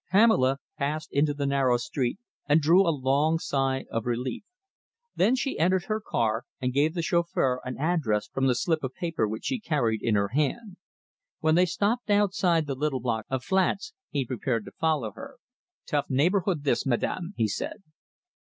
Pamela passed into the narrow street and drew a long sigh of relief. Then she entered her car and gave the chauffeur an address from the slip of paper which she carried in her hand. When they stopped outside the little block of flats he prepared to follow her. "Tough neighbourhood this, madam," he said.